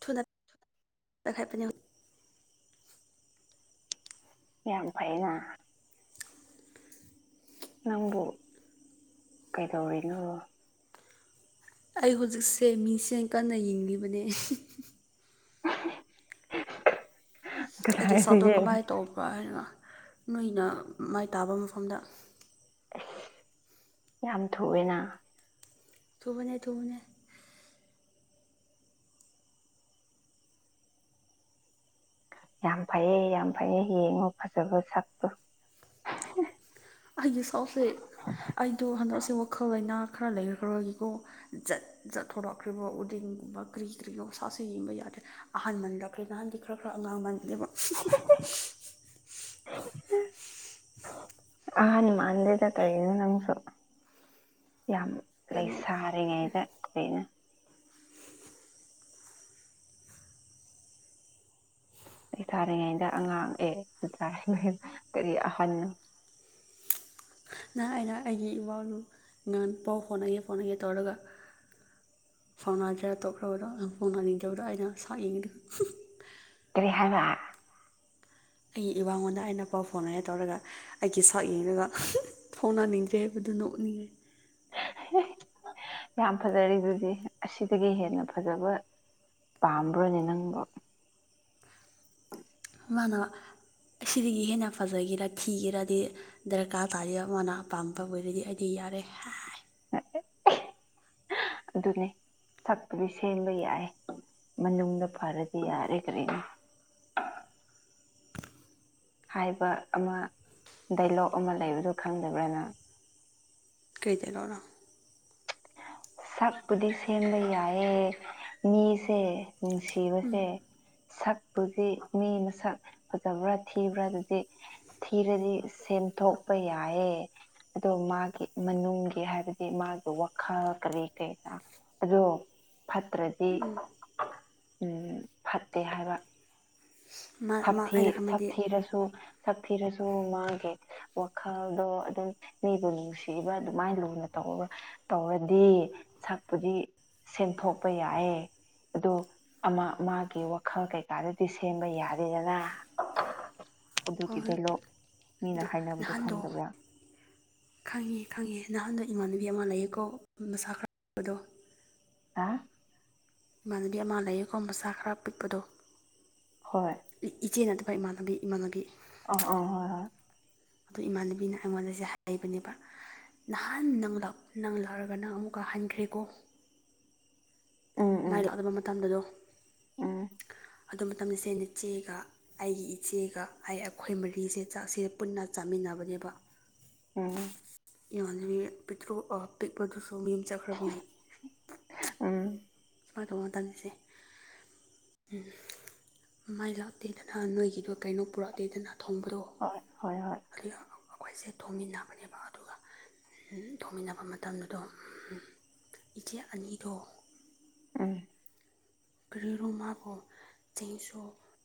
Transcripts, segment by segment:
ꯊꯨꯅ [inaudible] ꯇꯈꯥꯏꯄꯅꯤ ꯌꯥꯝ ꯐꯩꯅ ꯅꯪꯕꯨ ꯀꯩꯗꯧꯔꯤꯅꯣ ꯑꯩ ꯍꯧꯖꯤꯛꯁꯦ ꯃꯤꯡꯁꯦꯟ ꯀꯟꯅ ꯌꯦꯡꯂꯤꯕꯅꯦ [unintelligible] ꯑꯩꯒꯤ ꯁꯛꯗꯣ ꯀꯗꯥꯏꯗꯒꯤ ꯀꯃꯥꯏ ꯇꯧꯕ꯭ꯔꯥ ꯍꯥꯏꯅ ꯅꯣꯏꯅ ꯃꯥꯏ ꯇꯥꯕ ꯃꯐꯝꯗ ꯑꯁ ꯌꯥꯝ ꯊꯨꯋ‌ꯦꯅ ꯊꯨꯕꯅꯦ ꯊꯨꯕꯅ‌ꯦ ꯌꯥꯝ ꯐꯩꯌꯦ ꯌꯥꯝ ꯐꯩꯌꯦ ꯌꯦꯡꯉ‌ꯣ ꯐꯖꯕ ꯁꯛꯇ‌ꯣ ꯑꯩꯒꯤ ꯁꯛꯁꯦ ꯑꯩꯗꯣ ꯍꯟꯗꯛꯁꯦ ꯋꯥꯈꯜ ꯂꯩꯅꯥ ꯈꯔ ꯂꯩꯈ꯭ꯔꯒꯤꯀꯣ ꯖꯠ ꯖꯠ ꯊꯣꯔꯛꯈ꯭ꯔꯤꯕ ꯎꯔꯤꯡꯒꯨꯝꯕ ꯀ꯭ꯔꯤ ꯀ꯭ꯔꯤꯅ‌ꯣ ꯁꯥꯁ‌ꯦ ꯌꯦꯡꯕ ꯌꯥꯗ꯭ꯔꯦ ꯑꯍꯟ ꯃꯜꯂꯛꯈ꯭ꯔꯦ ꯅꯍꯥꯟꯗꯤ ꯈꯔ ꯈꯔ ꯑꯉꯥꯡ ꯃꯜꯂꯦꯕ [unintelligible] ꯑꯍꯟ ꯃꯥꯟꯗꯦꯗ ꯀꯔꯤꯅꯣ ꯅꯪꯁꯨ ꯌꯥꯝ ꯀꯩꯅꯣ ꯂꯩꯁꯥꯔꯤꯉꯩꯗ ꯑꯩꯅ ꯂꯩꯁꯥꯥꯔꯤꯉꯩꯗ ꯑꯉꯥꯡ ꯑꯦ [unintelligible] ꯀꯔꯤ ꯑꯍꯟꯅꯣ ꯅꯍꯥꯟ ꯑꯩꯅ ꯑꯩꯒꯤ ꯏꯋꯥꯎꯗꯨ [unintelligible] ꯄꯥꯎ ꯐꯥꯎꯅꯒꯦ ꯐꯥꯎꯅꯒꯦ ꯇꯧꯔꯒ ꯐꯥꯎꯅꯗ꯭ꯔꯥ ꯇꯣꯛꯈ꯭ꯔꯕꯗꯣ ꯐꯥꯎꯅꯥ ꯅꯤꯡꯖꯧꯗ ꯑꯩꯅ ꯁꯥꯎꯅꯤꯡꯉꯗꯣ [unintelligible] ꯀꯔꯤ ꯍꯥꯏꯕ ꯑꯩ ꯏꯕꯥꯉꯣꯟꯗ ꯑꯩꯅ ꯄꯥꯎ ꯐꯥꯎꯅꯉꯥꯏ ꯇꯧꯔꯒ ꯑꯩꯒꯤ ꯁꯛ ꯌꯦꯡꯔꯒ [unintelligible] ꯊꯣꯡꯅꯅꯤꯡꯗ꯭ꯔꯦ ꯍꯥꯏꯕꯗꯨꯅ ꯅꯣꯛꯅꯤꯡꯉꯦ [unintelligible] ꯌꯥꯝ ꯐꯖꯔꯤ ꯑꯗꯨꯗꯤ ꯑꯁꯤꯗꯒꯤ ꯍꯦꯟꯅ ꯐꯖꯕ ꯄꯥꯝꯕ꯭ꯔꯣꯅꯦ ꯅꯪꯕꯣ [unintelligible] ꯃꯥꯅ ꯑꯁꯤꯗꯒꯤ ꯍꯦꯟꯅ ꯐꯖꯒꯦꯔ ꯊꯤꯒꯦꯔꯗꯤ ꯗꯔꯀꯥꯔ ꯇꯥꯔꯤ ꯑꯃꯥꯅ ꯑꯄꯥꯝꯕ ꯕꯨꯔꯗꯤ ꯑꯩꯗꯤ ꯌꯥꯔꯦ [unintelligible] [unintelligible] ꯑꯗꯨꯅꯦ ꯁꯛꯄꯨꯗꯤ ꯁꯦꯝꯕ ꯌꯥꯏ ꯃꯅꯨꯡꯗ ꯐꯔꯗꯤ ꯌꯥꯔꯦ ꯀꯔꯤꯅꯣ ꯍꯥꯏꯕ ꯑꯃ ꯗꯥꯏꯂꯣꯛ ꯑꯃ ꯂꯩꯕꯗꯨ ꯈꯪꯗꯕ꯭ꯔꯅ ꯀꯔꯤ ꯗꯥꯏꯂꯣꯒ ꯔꯣ ꯁꯛꯄꯨꯗꯤ ꯁꯦꯝꯕ ꯌꯥꯏꯌꯦ ꯃꯤꯁꯦ ꯅꯨꯡꯁꯤꯕꯁꯦ ꯁꯛꯄꯨꯗꯤ ꯃꯤ ꯃꯁꯛ ꯐꯖꯕ꯭ꯔꯥ ꯊꯤꯕ꯭ꯔꯥ ꯑꯗꯨꯗꯤ ꯊꯤꯔꯗꯤ ꯁꯦꯝꯗꯣꯛꯄ ꯌꯥꯏꯌꯦ ꯑꯗꯣ ꯃꯥꯒꯤ ꯃꯅꯨꯡꯒꯤ ꯍꯥꯏꯕꯗꯤ ꯃꯥꯒꯤ ꯋꯥꯈꯜ ꯀꯔꯤ ꯀꯩꯀ ꯑꯗꯣ ꯐꯠꯇ꯭ꯔꯗꯤ ꯎꯝ ꯐꯠꯇꯦ ꯍꯥꯏꯕ ꯃꯥ ꯃꯥ ꯁꯛꯊꯤ ꯑꯩꯅ ꯈꯟꯕꯗꯤ ꯁꯛꯊꯤꯔꯁꯨ ꯁꯛꯊꯤꯔꯁꯨ ꯃꯥꯒꯦ ꯋꯥꯈꯜꯗꯣ ꯑꯗꯨꯝ ꯃꯤꯕꯨ ꯅꯨꯡꯁꯤꯕ ꯑꯗꯨꯃꯥꯏꯅ ꯂꯨꯅ ꯇꯧꯕ ꯇꯧꯔꯗꯤ ꯁꯛꯄꯨꯗꯤ ꯁꯦꯡꯊꯣꯛꯄ ꯌꯥꯏꯌꯦ ꯑꯗꯣ ꯑꯃ ꯃꯥꯒꯤ ꯋꯥꯈꯜ ꯀꯩꯀꯥꯗꯗꯤ ꯁꯦꯝꯕ ꯌꯥꯗ ꯂꯩꯌꯦꯅ ꯍꯣꯏ ꯑꯗꯨꯒꯤ ꯍꯣꯏ ꯗꯥꯏꯂꯣꯛ ꯃꯤꯅ ꯑꯗꯨ ꯍꯥꯏꯅꯕꯗꯣ ꯅꯍꯥꯟꯗꯣ ꯈꯪꯗꯕ꯭ꯔꯥ ꯈꯪꯉꯦ ꯈꯪꯉꯦ ꯅꯍꯥꯟꯗꯣ ꯏꯃꯥꯟꯅꯕꯤ ꯑꯃ ꯂꯩꯌꯦꯀꯣ ꯃꯁꯥ ꯈꯔ [unintelligible] ꯕꯗꯣ ꯍꯥꯥ ꯏꯃꯥꯟꯅꯕꯤ ꯑꯃ ꯂꯩꯌꯦꯀꯣ ꯃꯁꯥ ꯈꯔ ꯄꯤꯛꯄꯗꯣ ꯍꯣꯏ ꯏꯆꯦ ꯅꯠꯇꯕ ꯏꯃꯥꯟꯅꯕꯤ ꯏꯃꯥꯟꯅꯕꯤ ꯑꯣ ꯑꯣ ꯍꯣꯏ ꯍꯣꯏ ꯑꯗꯨ ꯏꯃꯥꯟꯅꯕꯤꯅ ꯑꯩꯉꯣꯟꯗꯁꯦ ꯍꯥꯏꯕꯅꯦꯕ ꯅꯍꯥꯟ ꯅꯪꯂ ꯅꯪ ꯂꯛꯔꯒ ꯅꯪ ꯑꯃꯨꯛꯀ ꯍꯟꯈ꯭ꯔꯦꯀꯣ ꯎꯝ ꯎꯝ ꯃꯥꯏ ꯂꯥꯛꯅꯕ ꯃꯇꯝꯗꯗꯣ ꯎꯝ ꯑꯗꯨ ꯃꯇꯝꯗ ꯆꯦꯟꯅ ꯆꯦꯒ ꯑꯩꯒꯤ ꯏꯆꯦꯒ ꯑꯩ ꯑꯩꯈꯣꯏ ꯃꯔꯤꯁꯦ ꯆꯥꯛꯁꯦ ꯄꯨꯟꯅ ꯆꯥꯃꯤꯟꯅꯕꯅꯦꯕ ꯎꯝ ꯌꯥꯅꯤꯌꯦ ꯄꯤꯛꯇ꯭ꯔꯨ ꯑ ꯄꯤꯛꯄꯗꯨꯁꯨ ꯃꯤ ꯆꯠꯈ꯭ꯔꯕꯒꯤ ꯎꯝ [unintelligible] ꯁꯦ ꯃꯥꯏ ꯂꯥꯛꯇꯦꯗꯅ ꯅꯣꯏꯒꯤꯗꯣ ꯀꯩꯅꯣ ꯄꯨꯔꯛꯇꯦꯗꯅ ꯊꯣꯡꯕꯗꯣ ꯍꯣꯏ ꯍꯣꯏ ꯍꯣꯏ ꯑꯩꯈꯣꯏꯁꯦ ꯊꯣꯡꯃꯤꯟꯅꯕꯅꯦꯕ ꯑꯗꯨꯒ ꯊꯣꯡꯃꯤꯟꯅꯕ ꯃꯇꯝꯗꯨꯗꯣ ꯏꯆꯦ ꯑꯅꯤꯗꯣ ꯎꯝ ꯀꯔꯤꯔꯣ ꯃꯥꯕꯨ ꯆꯦꯡꯁꯨ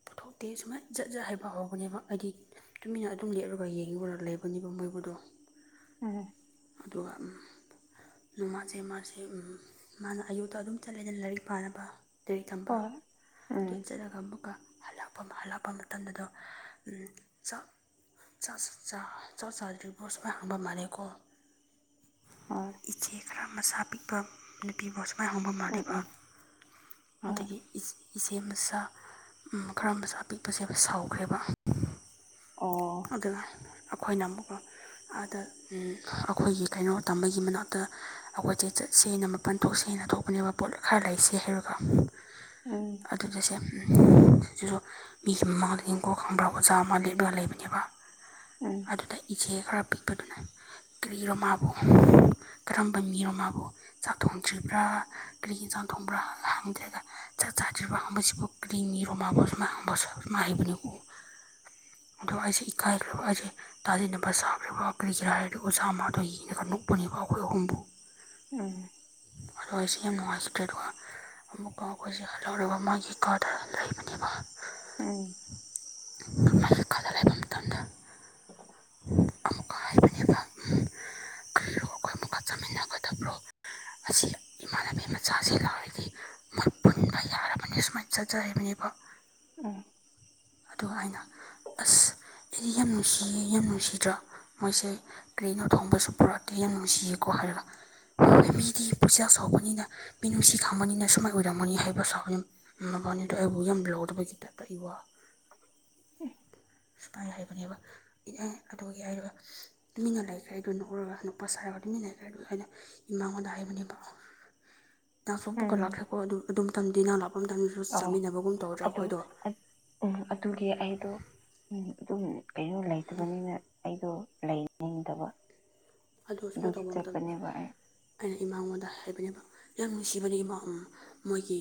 ꯄꯨꯊꯣꯛꯇꯦ ꯁꯨꯃꯥꯏꯅ ꯖꯠ ꯖꯠ ꯍꯥꯏꯕ ꯍꯧꯕꯅꯦꯕ ꯍꯥꯏꯗꯤ ꯇꯨꯃꯤꯟꯅ ꯑꯗꯨꯝ ꯂꯦꯞꯔꯒ ꯌꯦꯡꯉꯨꯔ ꯂꯩꯕꯅꯦꯕ ꯃꯣꯏꯕꯨꯗꯣ ꯎꯝ ꯑꯗꯨꯒ ꯅꯃꯥꯖꯦ ꯃꯥꯁꯦ ꯃꯥꯅ ꯑꯌꯨꯛꯇ ꯑꯗꯨꯝ ꯆꯠꯂꯦꯗꯅ ꯂꯥꯏꯔꯤꯛ ꯄꯥꯅꯕ [unintelligible] ꯊꯝꯕ ꯍꯣꯏ ꯎꯝ ꯇꯣꯠꯆꯔꯛ ꯑꯃꯨꯛꯀ ꯍꯜꯂꯛꯄ ꯍꯥꯜꯂꯛꯄ ꯃꯇꯝꯗꯗꯣ ꯎꯝ ꯆꯣ ꯆꯥ ꯆ ꯆꯥꯛ ꯆꯥꯗ꯭ꯔꯤꯕꯣꯁꯨ ꯍꯪꯕ ꯃꯥꯜꯂꯦꯀꯣ [unintelligible] ꯏꯆꯦ ꯈꯔ ꯃꯁꯥ ꯄꯤꯛꯄ ꯅꯨꯄꯤꯐꯥꯎ ꯁꯨꯃꯥꯏꯅ ꯍꯪꯕ ꯎꯝ ꯃꯥꯜꯂꯦꯕ ꯎꯝ ꯍꯣꯏ ꯑꯗꯒꯤ ꯏꯁ ꯏꯆꯦ ꯃꯆꯥ ꯎꯝ ꯈꯔ ꯃꯆꯥ ꯄꯤꯛꯄꯁꯦ ꯁꯥꯎꯈ꯭ꯔꯦꯕ ꯑꯣ ꯑꯗꯨꯒ ꯑꯩꯈꯣꯏꯅ ꯑꯃꯨꯛꯀ ꯑꯥꯗ ꯎꯝ ꯑꯩꯈꯣꯏꯒꯤ ꯀꯩꯅꯣ ꯇꯝꯕꯒꯤ ꯃꯅꯥꯛꯇ ꯑꯩꯈꯣꯏꯁꯦ ꯆꯠꯁꯦꯅ ꯃꯄꯟ ꯊꯣꯛꯁꯦꯅ ꯊꯣꯛꯄꯅꯦꯕ ꯄꯣꯠ ꯈꯔ ꯂꯩꯁꯦ ꯍꯥꯏꯔꯒ ꯎꯝ ꯑꯗꯨꯗꯁꯦ ꯁꯤꯁꯨ ꯃꯤꯒꯤ ꯃꯃꯥꯡꯗ ꯏꯪꯀꯣꯛ ꯈꯪꯕ꯭ꯔꯥ ꯑꯣꯖꯥ ꯑꯃ ꯂꯦꯞꯂ ꯂꯩꯕ ꯅꯦꯕ ꯎꯝ ꯑꯗꯨꯗ ꯏꯆꯦ ꯈꯔ ꯄꯤꯛꯄꯗꯨꯅ ꯀꯔꯤꯔꯣ ꯃꯥꯕꯨ ꯀꯔꯝꯕ ꯃꯤꯔꯣ ꯃꯥꯕꯨ ꯆꯥꯛ ꯊꯣꯡꯗ꯭ꯔꯤꯕ꯭ꯔꯥ ꯀꯔꯤꯒꯤ ꯏꯟꯖꯥꯡ ꯊꯣꯡꯕ꯭ꯔꯥ ꯍꯪꯗ꯭ꯔꯦꯗ ꯆꯥꯛ ꯆꯥꯗ꯭ꯔꯤꯕ ꯍꯪꯕꯁꯤꯕꯨ ꯀꯔꯤꯉꯤꯔꯣ ꯃꯥꯕꯣ [unintelligible] ꯑꯗꯣ ꯑꯩꯁꯦ ꯏꯀꯥꯏꯈ꯭ꯔꯕ ꯑꯩꯁꯦ ꯇꯥꯁꯤꯟꯅꯕ ꯁꯥꯈ꯭ꯔꯤꯕ ꯑ ꯀꯒꯤꯔꯥ ꯍꯥꯏꯔꯗꯤ ꯑꯣꯖꯥ ꯃꯥꯗꯣ ꯌꯦꯡꯉꯒ ꯅꯣꯛꯄꯅꯦꯕ ꯑꯩꯈꯣꯏ ꯑꯍꯨꯝꯕꯨ ꯎꯝ ꯑꯗꯣ ꯑꯁꯤ [unintelligible] ꯑꯃꯨꯛꯀ ꯑꯩꯈꯣꯏꯁꯤ ꯍꯔꯥꯎꯔꯒ ꯃꯥꯒꯤ ꯀꯥꯗ ꯂꯩꯕꯅꯦꯕ ꯎꯝ ꯃꯥꯒꯤ ꯀꯥꯗ ꯂꯩꯕ ꯃꯇꯝꯗ ꯑꯃꯨꯛꯀ ꯍꯥꯏꯕꯅꯦꯕ [inaudible] ꯀꯔꯤꯔꯣ ꯑꯩꯈꯣꯏ ꯑꯃꯨꯛꯀ ꯆꯠꯃꯤꯟꯅꯒꯗꯕ꯭ꯔꯣ [inaudible] ꯑꯁꯤ ꯏꯃꯥꯟꯅꯕꯤ ꯃꯆꯥꯁꯤ ꯂꯥꯎꯔꯤꯗꯤ ꯃꯣꯏ ꯄꯨꯟꯕ ꯌꯥꯔꯕꯅꯤ ꯁꯨꯃꯥꯏꯅ ꯆꯠꯆꯥ ꯍꯥꯏꯕꯅꯦꯕ ꯎꯝ ꯑꯗꯨꯒ ꯑꯩꯅ ꯑꯁ ꯑꯩꯗꯤ ꯌꯥꯝ ꯅꯨꯡꯁꯤꯌꯦ ꯌꯥꯝ ꯅꯨꯡꯁꯤꯗ꯭ꯔꯣ ꯃꯣꯏꯁꯦ ꯀꯔꯤꯅꯣ ꯊꯣꯡꯕꯁꯨ ꯄꯨꯔꯥꯛꯇꯦ ꯅꯨꯡꯁꯤꯌꯦꯀꯣ ꯍꯥꯏꯔꯒ ꯃꯤꯗꯤ ꯄꯨꯆꯦꯜ ꯆꯥꯎꯕꯅꯤꯅ ꯃꯤꯅꯨꯡꯁꯤ ꯈꯪꯕꯅꯤꯅ ꯁꯨꯃꯥꯏ ꯑꯣꯏꯔꯝꯃꯣꯏꯌꯦꯍꯥꯏꯕ ꯁꯥꯎꯅꯤꯡ ꯃꯕꯥꯅꯤꯗꯣ ꯑꯩꯕꯨ ꯌꯥꯝ ꯂꯥꯎꯗꯕꯒꯤ ꯇꯥꯏꯞꯇ ꯑꯩꯕꯣ [unintelligible] ꯁꯨꯐꯥꯏ ꯍꯥꯏꯕꯅꯦꯕ ꯏꯑꯦ ꯑꯗꯨꯒꯤ ꯍꯥꯏꯔꯒ ꯇꯨꯃꯤꯟꯅ ꯂꯩꯈ꯭ꯔꯦꯗꯨ ꯅꯣꯛꯔꯒ ꯅꯣꯛꯄꯥ ꯁꯥꯔꯒ ꯇꯨꯃꯤꯟꯅ ꯂꯩꯈ꯭ꯔꯦ ꯑꯗꯨꯒ ꯑꯩꯅ ꯏꯃꯥꯉꯣꯟꯗ ꯍꯥꯏꯕꯅꯦꯕ [unintelligible] ꯎꯝ ꯂꯥꯛꯈ꯭ꯔꯦꯀꯣ ꯑꯗꯨ ꯑꯗꯨꯝꯇꯪꯗꯤ ꯅꯪ ꯂꯥꯛꯄ ꯃꯇꯝ ꯑꯗꯨ ꯑꯣ ꯆꯪꯃꯤꯟꯅꯕꯒꯨꯝ ꯇꯧꯗ꯭ꯔꯥ ꯑꯗꯨ ꯑꯩꯈꯣꯏꯗꯣ ꯎꯝ ꯑꯗꯨꯒꯤ ꯑꯩꯗꯣ ꯎꯝ ꯑꯗꯨꯝ ꯀꯩꯅꯣ ꯂꯩꯇꯕꯅꯤꯅ ꯑꯩꯗꯣ ꯂꯩ ꯅꯤꯡꯗꯕ ꯑꯗꯨ ꯁꯨꯃꯥꯏꯅ ꯑꯗꯨꯒꯤ ꯇꯧꯕ ꯃꯇꯝꯗ ꯆꯠꯄꯅꯦꯕ ꯑꯩ ꯑꯩꯅ ꯏꯃꯥꯉꯣꯟꯗ ꯍꯥꯏꯕꯅꯦꯕ ꯌꯥꯝ ꯅꯨꯡꯁꯤꯕꯅꯦ ꯏꯃꯥ ꯃꯣꯏꯒꯤ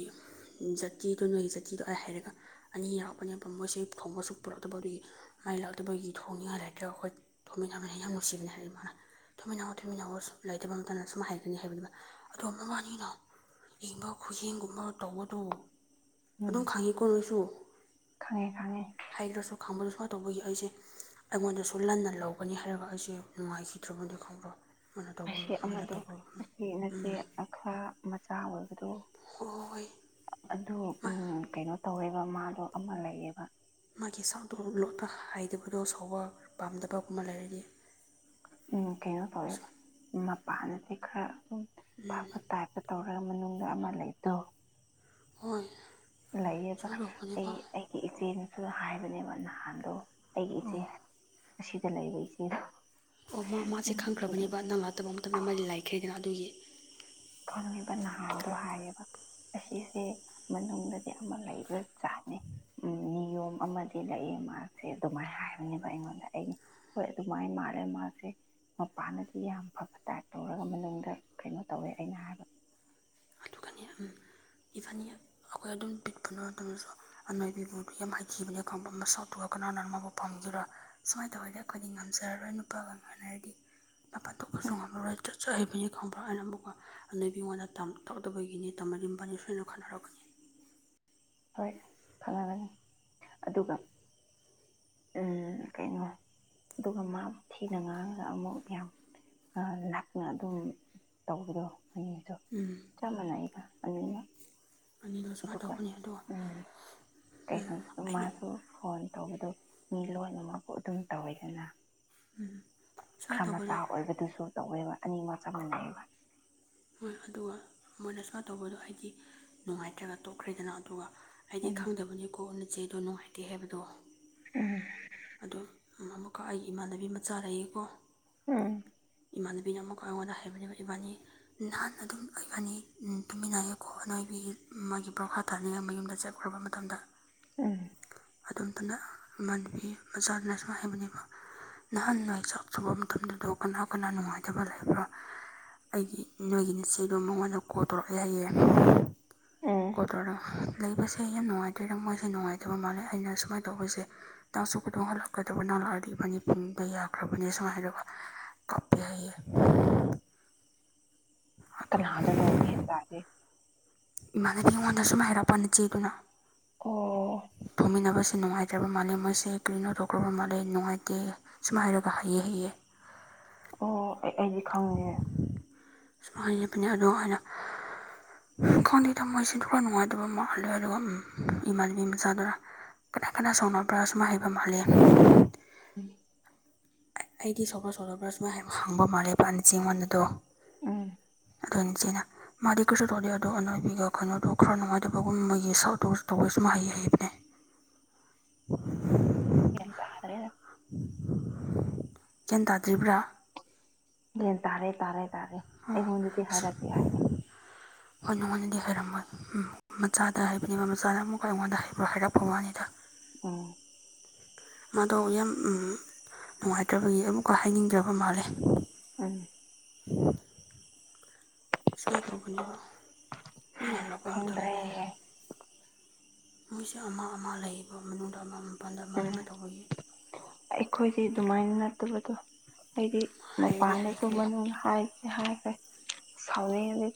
ꯖꯥꯇꯤꯗꯨ ꯅꯣꯏꯒꯤ ꯖꯥꯇꯤꯗꯣ ꯑꯩ ꯍꯥꯏꯔꯒ ꯑꯅꯤ ꯌꯥꯎꯔꯛꯄꯅꯦꯕ ꯃꯣꯏꯁꯦ ꯊꯣꯡꯕꯁꯨꯛ ꯄꯨꯔꯛꯇꯕ ꯑꯗꯨꯒꯤ ꯑꯩ ꯂꯥꯛꯇꯕꯒꯤ ꯊꯣꯡꯅꯤꯡꯉꯥꯏ ꯂꯩꯥꯏꯇ꯭ꯔꯒ ꯑꯩꯈꯣꯏ ꯊꯣꯡꯃꯤꯟꯅꯕꯅꯦ ꯌꯥꯝ ꯅꯨꯡꯁꯤꯕꯅꯤ ꯍꯥꯏ ꯏꯃꯥꯅ ꯇꯨꯃꯤꯟꯅꯧꯑꯣ ꯇꯨꯃꯤꯟꯅꯧꯑꯣ ꯁꯨꯝ ꯂꯩꯇꯕ ꯃꯊꯟꯇ ꯁꯨꯝ ꯍꯥꯏꯒꯅꯤ ꯍꯥꯏꯕꯅꯤ ꯑꯗꯣ ꯃꯕꯥꯥꯅꯤꯗꯣ ꯏꯪꯕ ꯈꯨꯌꯦꯡꯒꯨꯝꯕ ꯇꯧꯕꯗꯨ ꯎꯝ ꯑꯗꯨꯝ ꯈꯪꯉꯤꯀꯣ ꯅꯣꯏꯁꯨ ꯈꯪꯉꯦ ꯈꯪꯉꯦ ꯍꯥꯏꯗ꯭ꯔꯁꯨ ꯈꯥꯡꯕꯗ ꯁꯨꯃꯥꯏꯅ ꯇꯧꯕꯒꯤ ꯑꯩꯁꯦ ꯑꯩꯉꯣꯟꯗꯁꯨ ꯂꯟꯅ ꯂꯧꯒꯅꯤ ꯍꯥꯏꯔꯒ ꯑꯩꯁꯦ ꯅꯨꯡꯉꯥꯏꯈꯤꯗ꯭ꯔꯕꯅꯦ [unintelligible] ꯃꯣꯏꯅ ꯇꯧꯕ ꯑꯁꯤ ꯁꯨꯃꯥꯏꯅ ꯑꯃꯗꯣ ꯇꯧꯕ ꯑꯁꯤ ꯎꯝ ꯅꯆꯦ ꯈꯔ ꯃꯆꯥ ꯑꯣꯏꯕꯗꯣ ꯍꯣꯏ ꯍꯣꯏ ꯑꯗꯨ ꯃꯥ ꯎꯝ ꯀꯩꯅꯣ ꯇꯧꯋꯦ ꯑꯗꯨꯒ ꯃꯥꯗꯣ ꯑꯃ ꯂꯩꯌꯦꯕ ꯃꯥꯒꯤ ꯁꯥꯡꯗꯣ ꯂꯣꯠꯄ ꯍꯥꯏꯗꯕꯗꯣ ꯁꯥꯎꯕ ꯄꯥꯝꯗꯕꯒꯨꯝꯕ ꯂꯩꯔꯗꯤ ꯎ ꯀꯩꯅꯣ ꯇꯧꯋꯦꯕ ꯃꯄꯥꯟꯗꯗꯤ ꯈꯔ ꯎꯝ ꯐꯕ ꯇꯥꯏꯞꯇ ꯇꯧꯔꯒ ꯃꯅꯨꯡꯗ ꯑꯃ ꯂꯩꯗꯣ ꯍꯣꯏ ꯂꯩꯌꯦ ꯁꯨꯃꯥꯏꯅ ꯑꯩ ꯇꯧꯕꯅꯦꯕ ꯑꯩꯒꯤ ꯏꯆꯦꯅꯁꯨ ꯍꯥꯏꯕꯅꯦꯕ ꯅꯍꯥꯟꯗꯣ ꯑꯩꯒꯤ ꯏꯆꯦ ꯑꯁꯤꯗ ꯂꯩꯕ ꯏꯆꯦꯗꯣ ꯑꯣ ꯃꯥ ꯃꯥꯁꯦ ꯎꯝ ꯑꯗꯨ ꯈꯪꯈ꯭ꯔꯕꯅꯦꯕ ꯅꯪ ꯂꯥꯛꯇꯕ ꯃꯇꯝꯗ ꯃꯔꯤ ꯂꯥꯏꯈ꯭ꯔꯦꯗꯅ ꯑꯗꯨꯒꯤ ꯈꯪꯉꯦꯕ ꯅꯍꯥꯟꯗꯣ ꯍꯥꯏꯌꯦꯕ ꯑꯁꯤꯁꯦ ꯃꯅꯨꯡꯗꯗꯤ ꯑꯃ ꯂꯩꯕ ꯖꯠꯅꯤ ꯎ ꯅꯤꯌꯣꯝ ꯑꯃꯗꯤ ꯂꯩꯌꯦ ꯃꯥꯁꯦ ꯑꯗꯨꯃꯥꯏꯅ ꯍꯥꯏꯕꯅꯦꯕ ꯑꯩꯉꯣꯟꯗ ꯑꯩꯅ ꯍꯣꯏ ꯑꯗꯨꯃꯥꯏꯅ ꯃꯥꯜꯂꯦ ꯃꯥꯁꯦ ꯃꯄꯥꯟꯗꯗꯤ ꯌꯥꯝ ꯐꯕ ꯇꯥꯏꯞ ꯇꯧꯔꯒ ꯃꯅꯨꯡꯗ ꯀꯩꯅꯣ ꯇꯧꯋꯦ ꯑꯩꯅ ꯍꯥꯏꯕ ꯏꯐꯅꯤ [inaudible] ꯑꯩꯈꯣꯏ ꯑꯗꯨꯝ ꯄꯤꯛꯄꯅ ꯃꯇꯝꯗꯁꯨ ꯑꯅꯣꯏꯕꯤꯕꯨ ꯌꯥꯝ ꯍꯥꯏꯈꯤꯕꯅꯦ ꯈꯪꯕ꯭ꯔ ꯃꯁꯛꯇꯨꯒ ꯀꯅꯥꯅ ꯃꯥꯕꯨ ꯄꯝꯒꯦꯔꯥ ꯁꯨꯃꯥꯏꯅ ꯇꯧꯔꯗꯤ ꯑꯩꯈꯣꯏꯗꯤ ꯉꯝꯖꯔꯔꯣꯏ ꯅꯨꯄꯥꯒ ꯉꯥꯡꯅꯔꯗꯤ ꯃꯄꯥꯟ ꯊꯣꯛꯄꯁꯨ ꯎꯝ ꯉꯝꯃꯔꯣꯏ ꯆꯠ ꯍꯩꯕꯅꯤ ꯈꯪꯕ꯭ꯔꯥ ꯍꯥꯏꯅ ꯑꯃꯨꯛꯀ ꯍꯥꯅꯨꯕꯤꯉꯣꯟꯗ ꯇꯝ ꯇꯧꯗꯕꯒꯤꯅꯤ ꯇꯝꯂꯗꯤ ꯃꯣꯢꯕꯅꯤ ꯁꯣꯏꯅ ꯈꯠꯅꯔꯛꯀꯅꯤ ꯍꯣꯏ ꯈꯪꯔꯒꯅꯤ ꯑꯗꯨꯒ ꯀꯩꯅꯣ ꯑꯗꯨꯒ ꯃꯥꯕꯨ ꯊꯤꯅ ꯉꯥꯡꯉꯒ ꯑꯃꯨꯛ ꯌꯥꯝ ꯂꯥꯛꯅ ꯑꯗꯨꯝ ꯇꯧꯕꯗꯣ ꯃꯌꯦꯁꯨ [inaudible] ꯎꯝ ꯆꯞ ꯃꯅꯩꯗ ꯑꯅꯤꯃꯛ ꯑꯅꯤꯗꯣ ꯁꯨꯃꯥꯏꯅ ꯑꯗꯨꯒ ꯇꯧꯕꯅꯤ ꯑꯗꯨꯒ ꯎꯝ ꯀꯩꯅꯣ ꯑꯩꯗꯤ ꯃꯥꯁꯨ ꯐꯣꯟ ꯇꯧꯕꯗꯣ ꯃꯤ ꯂꯣꯟꯃꯛꯕꯨꯨ ꯑꯗꯨꯝ ꯇꯧꯋꯦꯗꯅ ꯎꯝ ꯈꯔ ꯃꯆꯥ ꯑꯣꯏꯕꯗꯨꯁꯨ ꯇꯧꯋꯦꯕ ꯑꯅꯤꯃꯛ ꯆꯥꯞ ꯃꯥꯟꯅꯩꯌꯦꯕ ꯍꯣꯏ ꯑꯗꯨꯒ ꯃꯣꯏꯅ ꯁꯨꯃꯥꯏ ꯇꯧꯕꯗꯣ ꯍꯥꯏꯗꯤ ꯅꯨꯡꯉꯥꯏꯇ꯭ꯔꯒ ꯇꯣꯛꯈ꯭ꯔꯦꯗꯅ ꯑꯗꯨꯒ ꯍꯥꯏꯗꯤ ꯎꯝ ꯈꯪꯗꯕꯅꯤꯀꯣ ꯅꯆꯦꯗꯣ ꯅꯨꯡꯉꯥꯏꯇꯦ ꯍꯥꯏꯕꯗꯣ ꯑꯗꯣ ꯑꯃꯨꯛꯀ ꯑꯩꯒꯤ ꯏꯃꯥꯟꯅꯕꯤ ꯃꯆꯥ ꯂꯩꯌꯦꯀꯣ ꯎꯝ ꯏꯃꯥꯟꯅꯕꯤꯅ ꯑꯃꯨꯛꯀꯥ ꯑꯩꯉꯣꯟꯗ ꯍꯥꯏꯕꯅꯦꯕ ꯏꯕꯥꯅꯤ ꯅꯍꯥꯟꯅ ꯑꯗꯨꯝ ꯏꯕꯥꯅꯤ ꯇꯨꯃꯤꯟꯅꯌꯦꯀꯣ ꯑꯅꯣꯏꯕꯤꯒꯤ ꯃꯥꯒꯤ ꯕ꯭ꯔꯣꯈꯥ ꯇꯥꯅꯤꯡꯉꯥꯏ ꯃꯌꯨꯝꯗ ꯆꯠꯈ꯭ꯔꯕ ꯇꯝꯗ [inaudible] ꯎꯝ ꯑꯗꯣꯝꯇꯅ ꯃꯅꯥꯗꯤ ꯃꯆꯥꯥꯗꯨꯅ ꯁꯨꯃꯥꯏ ꯍꯥꯏꯕꯅꯦꯕ ꯅꯍꯥꯟ ꯅꯣꯏ ꯆꯥꯛ ꯆꯕ ꯃꯇꯝꯗꯨꯗ ꯀꯅꯥ ꯀꯅꯥ ꯅꯨꯡꯉꯥꯏꯇꯕ ꯂꯩꯕ꯭ꯔꯥ ꯑꯩꯒꯤ ꯅꯣꯏꯒꯤ ꯅꯆꯦꯗꯣ ꯃꯉꯣꯟꯗ ꯀꯣꯜ ꯇꯧꯔꯛꯅꯤ ꯍꯥꯏꯌꯦ ꯎꯝ ꯀꯣꯜ ꯇꯧꯔꯣ ꯂꯩꯕꯁꯦ ꯌꯥꯝ ꯅꯨꯡꯉꯥꯏꯇ꯭ꯔꯦꯗꯥ ꯃꯣꯏꯁꯦ ꯅꯨꯡꯉꯥꯏꯇꯕ ꯃꯥꯜꯂꯦ ꯑꯩꯅ ꯁꯨꯃꯥꯏꯅ ꯇꯧꯕꯁꯦ ꯇꯥꯡꯁꯨ ꯈꯨꯨꯗꯣꯡ ꯍꯜꯂꯛꯀꯗꯕ ꯅꯥꯜꯂꯛꯑꯗꯤ ꯢꯕꯅꯤ ꯄꯨꯟꯕꯥ ꯌꯥꯈ꯭ꯔꯕꯅꯦ ꯁꯨꯃꯥꯏ ꯍꯥꯏꯔꯛꯄ ꯀꯥꯞꯄꯦ ꯌꯥꯏ ꯀꯅꯥꯗꯔꯣ ꯒꯌ꯭ꯥꯟ ꯇꯥꯗꯦ ꯏꯃꯥꯟꯅꯕꯤ ꯑꯩꯉꯣꯟꯗ ꯁꯨꯃꯥꯏ ꯍꯥꯏꯔꯥꯛꯄ ꯅꯆꯦꯗꯨꯅ ꯑꯣ ꯇꯨꯝꯃꯤꯟꯅꯕꯁꯦ ꯅꯨꯡꯉꯥꯏꯇ꯭ꯔꯕ ꯃꯥꯜꯂꯦ ꯃꯣꯏꯁꯦ ꯀꯔꯤꯅꯣ ꯇꯧꯈ꯭ꯔꯕ ꯃꯥꯜꯂꯦ ꯅꯨꯡꯉꯥꯏꯇꯦ ꯁꯨꯃꯥꯏꯔꯒ ꯍꯩꯑꯦ ꯍꯩꯌꯦ ꯑꯣ ꯑꯩ ꯑꯩꯗꯤ ꯈꯪꯗꯦ ꯁꯨꯃꯥꯏ ꯍꯥꯏꯕꯅꯤ ꯑꯗꯣ ꯑꯩꯅ ꯈꯪꯗꯦꯗ ꯃꯣꯏꯁꯤꯁꯨ ꯈꯔ ꯅꯨꯡꯉꯥꯏꯇꯕ ꯃꯥꯍꯜꯂꯦ ꯑꯗꯨꯒ ꯎꯝ ꯏꯃꯥꯟꯅꯕꯤ ꯃꯆꯥꯗꯨꯅ ꯀꯅꯥ ꯀꯅꯥ ꯁꯥꯎꯅꯕ꯭ꯔꯥ ꯁꯨꯃꯥꯏ ꯍꯥꯏꯕ ꯃꯥꯜꯂꯦ ꯎꯝ ꯑꯩꯗꯤ ꯁꯣꯄ꯭ꯔ ꯁꯣꯂꯣꯕ꯭ꯔ ꯁꯨꯃꯥꯏ ꯌꯥꯝ ꯍꯡꯕ ꯃꯥꯜꯂꯦ ꯏꯕꯅꯤ ꯆꯦꯡ ꯋꯥꯟꯕꯗꯣ ꯎꯝ ꯑꯗꯨꯅ [unintelligible] ꯃꯥꯗꯤ ꯀꯔꯤꯁꯨ ꯇꯧꯗꯦ ꯑꯗꯣ ꯅꯣꯏꯅꯤꯒ ꯀꯩꯅꯣꯗꯣ ꯈꯔ ꯅꯨꯡꯉꯥꯏꯇꯕꯒꯨꯝꯕꯒꯤ ꯁꯥꯞ ꯇꯧꯕ ꯇꯧꯕꯁꯨ ꯃꯥ ꯍꯩ ꯍꯩꯕꯅꯦ ꯒꯌ꯭ꯥꯟ ꯇꯥꯗꯔ꯭ꯦꯗꯥ [unintelligible] ꯒ꯭ꯌꯥꯟ ꯇꯥꯗ꯭ꯔꯤꯕ꯭ꯔꯥ ꯒꯌꯥꯟ ꯇꯥꯔꯦ ꯇꯥꯔꯦ ꯇꯥꯔꯦ ꯑꯣ ꯑꯩꯉꯣꯟꯗꯗꯤ ꯑꯥꯁ ꯍꯥꯏꯔꯛꯇꯦ ꯍꯥꯏꯕ ꯍꯣꯏ ꯅꯪꯉꯣꯟꯗꯗꯤ ꯍꯥꯏꯔꯝꯃꯣꯏ ꯎꯝ ꯃꯆꯥꯗ ꯍꯥꯏꯕꯅꯦꯕ ꯃꯆꯥꯅ ꯑꯃꯨꯛꯀ ꯑꯩꯉꯣꯟꯗ ꯍꯥꯏꯕ ꯍꯥꯏꯔꯛꯄ ꯋꯥꯅꯤꯗ ꯑꯣ ꯃꯥꯗꯣ ꯌꯥꯝ ꯅꯨꯡꯉꯥꯏꯇ꯭ꯔꯕꯒꯤ ꯑꯃꯨꯛꯀ ꯍꯥꯏꯅꯤꯡꯗ꯭ꯔꯕ ꯃꯥꯜꯂꯦ ꯎꯝ ꯁꯃꯥꯏ ꯇꯧꯒꯅꯤꯕ ꯃꯤꯅꯥ ꯍꯂꯛꯄ ꯈꯪꯗ꯭ꯔꯦ ꯃꯇꯝꯗ ꯃꯤꯣꯏꯁꯦ ꯑꯃ ꯑꯃ ꯂꯩꯌꯦꯕ ꯃꯅꯨꯡꯗ ꯑꯃ ꯃꯄꯥꯜꯗ ꯑꯃ ꯎꯝ ꯑꯃ ꯇꯧꯕꯒꯤ ꯑꯩꯈꯣꯏꯗꯤ ꯑꯗꯨꯃꯥꯏꯅ ꯅꯠꯇꯕꯗꯣ ꯑꯩꯗꯤ ꯍꯩꯔꯗꯤ ꯃꯄꯥꯟꯗꯁꯨ ꯍꯩꯈ꯭ꯔꯦ ꯃꯅꯨꯡ ꯍꯥꯏ ꯑꯩ ꯍꯥꯏꯒ꯭ꯔꯦ ꯁꯥꯎꯅꯤꯉꯥꯗꯤ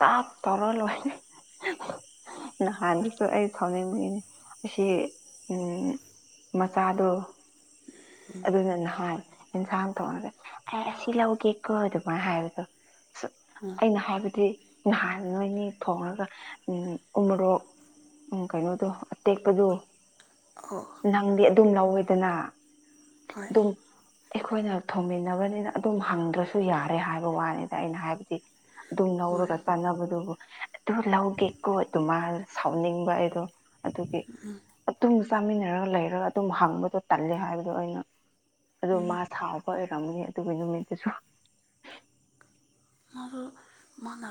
ꯇꯥꯛ ꯇꯧꯔ ꯂꯣꯏꯔꯦ ꯅꯍꯥꯟꯅꯁꯨ ꯑꯩ ꯁꯥꯎꯅꯤꯡꯕꯒꯤꯅꯦ ꯑꯁꯤ ꯎꯝ ꯃꯆꯥꯗꯣ ꯎꯝ ꯑꯗꯨꯅ ꯅꯍꯥꯟ ꯑꯦꯟꯁꯥꯡ ꯊꯣꯉꯒꯥ ꯑꯦ ꯑꯁꯤ ꯂꯧꯒꯦꯀꯣ ꯑꯗꯨꯃꯥꯏꯅ ꯍꯥꯏꯕꯗꯣ ꯑ ꯑꯩꯅ ꯍꯥꯏꯕꯗꯤ ꯅꯍꯥꯟ ꯅꯣꯏꯅꯤ ꯊꯣꯡꯂꯒ ꯎꯃꯣꯔꯣꯛ ꯎꯝ ꯀꯩꯅꯣꯗꯣ ꯑꯇꯦꯛꯄꯗꯣ ꯑꯣ ꯅꯪꯗꯤ ꯑꯗꯨꯝ ꯂꯧꯋꯦꯗꯅ ꯍꯣꯏ ꯑꯗꯨꯝ ꯑꯩꯈꯣꯏꯅ ꯊꯣꯝꯃꯤꯟꯅꯕꯅꯤꯅ ꯑꯗꯨꯝ ꯍꯪꯗ꯭ꯔꯁꯨ ꯌꯥꯔꯦ ꯍꯥꯏꯕ ꯋꯥꯅꯤꯗ ꯑꯩꯅ ꯍꯥꯏꯕꯗꯤ ꯑꯗꯨꯝ ꯍꯣꯏ ꯂꯧꯔꯒ ꯆꯥꯟꯅꯕꯗꯨꯕꯨ ꯑꯗꯨ ꯂꯧꯒꯦꯀꯣ ꯑꯗꯨꯃꯥꯏꯅ ꯁꯥꯎꯅꯤꯡꯕ ꯑꯩꯗꯣ ꯑꯗꯨꯒꯤ ꯑꯗꯨꯝ ꯆꯥꯃꯤꯟꯅꯔꯒ ꯂꯩꯔꯒ ꯑꯗꯨꯝ ꯍꯪꯕꯗꯣ ꯇꯜꯂꯦ ꯍꯥꯏꯕꯗꯣ ꯑꯩꯅ ꯑꯗꯣ ꯃꯥ ꯁꯥꯎꯕ ꯑꯣꯏꯔꯝꯒꯅꯤ ꯑꯗꯨꯒꯤ ꯅꯨꯃꯤꯠꯇꯨꯁꯨ ꯃꯥꯗꯣ [inaudible] ꯃꯥꯅ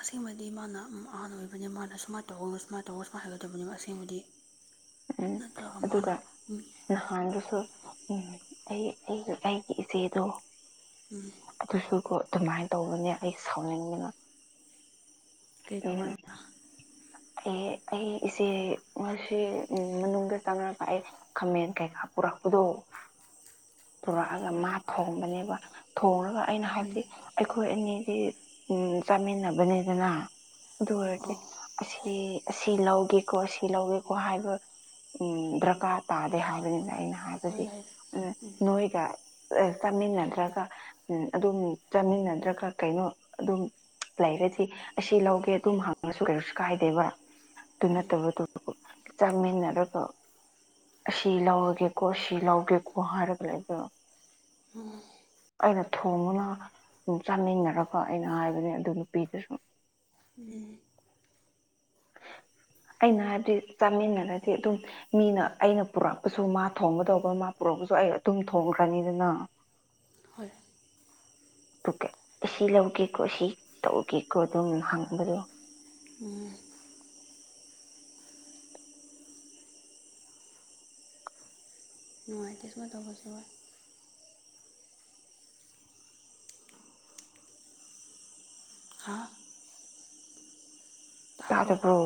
ꯑꯁꯦꯡꯕꯗꯤ ꯃꯥꯅ ꯑꯍꯥꯟꯕ ꯑꯣꯏꯕꯅꯤ ꯃꯥꯅ ꯁꯨꯃꯥꯏꯅ ꯇꯧꯒꯅꯨ ꯁꯨꯃꯥꯏꯅ ꯇꯧꯒꯨ ꯁꯨꯃꯥꯏꯅ ꯍꯥꯏꯒꯗꯕꯅꯤꯕ ꯑꯁꯦꯡꯕꯗꯤ ꯎꯝ ꯅꯠꯇ꯭ꯔꯒ ꯃꯅꯥ ꯑꯗꯨꯒ ꯅꯍꯥꯟꯗꯨꯁꯨ ꯑꯩ ꯑꯩꯒꯤ ꯏꯆꯦꯗꯣ ꯎꯝ ꯑꯗꯨꯁꯨꯀꯣ ꯑꯗꯨꯃꯥꯏꯅ ꯇꯧꯕꯅꯦ ꯑꯩ ꯁꯥꯎꯅꯤꯡꯗꯅ ꯀꯩ ꯀꯧꯕ꯭ꯔꯥ ꯎꯝ ꯑꯩ ꯑꯩ ꯏꯆꯦ ꯉꯁꯤ ꯃꯅꯨꯡꯗ ꯆꯥꯅꯔꯄ ꯑꯩ ꯈꯥꯃꯦꯟ ꯀꯩꯀꯥ ꯄꯨꯔꯛꯄꯗꯣ ꯄꯨꯔꯛꯑꯒ ꯃꯥ ꯊꯣꯡꯕꯅꯦꯕ ꯊꯣꯡꯉꯒ ꯑꯩꯅ ꯍꯧꯖꯤꯛ ꯑꯩꯈꯣꯏ ꯑꯅꯤꯗꯤ ꯆꯥꯃꯤꯟꯅꯕꯅꯤꯗꯅ ꯑꯗꯨ ꯑꯣꯏꯔꯗꯤ ꯑꯣ ꯑꯁꯤ ꯑꯁꯤ ꯂꯧꯒꯦꯀꯣ ꯑꯁꯤ ꯂꯧꯒꯦꯀꯣ ꯍꯥꯏꯕ ꯎꯝ ꯗꯔꯀꯥꯔ ꯇꯥꯗꯦ ꯍꯥꯏꯕꯅꯤꯗꯥ ꯑꯩꯅ ꯍꯣꯏ ꯍꯥꯏꯕꯗꯤ ꯍꯥꯏ ꯅꯣꯏꯒ ꯆꯥꯃꯤꯟꯅꯗ꯭ꯔꯒ ꯎꯝ ꯑꯗꯨꯝ ꯆꯥꯃꯤꯟꯅꯗ꯭ꯔꯒ ꯀꯩꯅꯣ ꯑꯗꯨꯝ ꯂꯩꯔꯗꯤ ꯑꯁꯤ ꯂꯧꯒꯦ ꯑꯗꯨꯝ ꯍꯥꯡꯉꯁꯨ ꯀꯩꯁꯨ ꯀꯥꯏꯗꯦꯕ ꯑꯗꯨ ꯅꯠꯇꯕꯗꯨ ꯆꯥꯛꯃꯤꯟꯅꯔꯒ ꯑꯁꯤ ꯂꯧꯔꯒꯦꯀꯣ ꯁꯤ ꯂꯧꯒꯦꯀꯣ ꯍꯥꯏꯔꯒ ꯂꯩꯕꯣ ꯎꯝ ꯑꯩꯅ ꯊꯣꯡꯉꯅ ꯆꯥꯃꯤꯟꯅꯔꯒ ꯑꯩꯅ ꯍꯥꯏꯕꯅꯦ ꯑꯗꯨ ꯅꯨꯄꯤꯗꯨ ꯁꯨꯝ ꯎꯝ ꯑꯩꯅ ꯍꯥꯏꯕꯗꯤ ꯆꯥꯃꯤꯟꯅꯔꯗꯤ ꯑꯗꯨꯝ ꯃꯤꯅ ꯑꯩꯅ ꯄꯨꯔꯛꯄꯁꯨ ꯃꯥ ꯊꯣꯡꯒꯗꯧꯕ ꯃꯥ ꯄꯨꯔꯛꯄꯁꯨ ꯑꯩ ꯑꯗꯨꯝ ꯊꯣꯡꯈ꯭ꯔꯅꯤꯗꯅ ꯍꯣꯏ ꯑꯗꯨꯒ ꯑꯁꯤ ꯂꯧꯒꯦꯀꯣ ꯁꯤ ꯇꯧꯒꯦꯀꯣ ꯑꯗꯨꯝ ꯍꯪꯕꯗ ꯎꯝ ꯅꯇꯤꯁꯃ ꯇꯧꯕ ꯁ ꯍꯥ ꯇ ꯇꯥꯕ꯭ꯔꯣ ꯑꯗꯨꯕꯨ